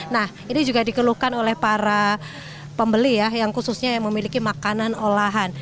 nah ini juga dikeluhkan oleh para pembeli ya yang khususnya yang memiliki makanan olahan